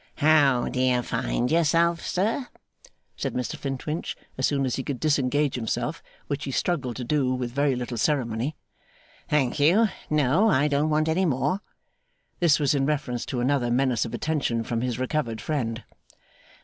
'How do you find yourself, sir?' said Mr Flintwinch, as soon as he could disengage himself, which he struggled to do with very little ceremony. 'Thank you, no; I don't want any more.' This was in reference to another menace of attention from his recovered friend.